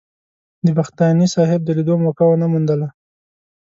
د بختاني صاحب د لیدو موقع ونه موندله.